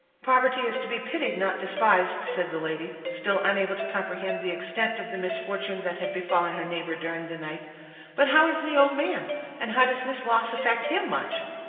"Poverty is to be pitied, and not despised," said the lady, still unable to comprehend the extent of the misfortune that had befallen her neighbor during the night. "But how is the old man? And does this loss affect him much?"